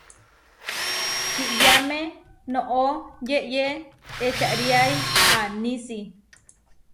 Kiʼyáme noʼó yeyé ečariái anísi.